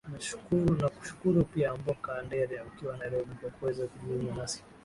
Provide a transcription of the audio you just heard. nakushukuru pia amboka andere ukiwa nairobi kwa kuweza kujiunga nasi